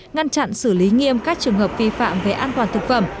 ngăn chặn xử lý nghiêm các trường hợp vi phạm về an toàn thực phẩm